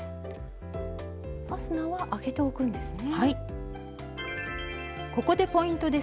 ファスナーは開けておくんですね。